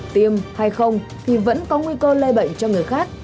tiêm hay không thì vẫn có nguy cơ lây bệnh cho người khác